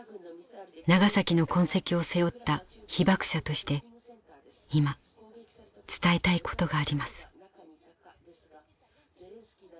「ナガサキ」の痕跡を背負った被爆者として今伝えたいことがあります。